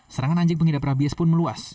serangan anjing pengidap rabies pun meluas